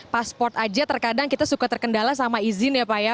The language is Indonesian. pasport aja terkadang kita suka terkendala sama izin ya pak ya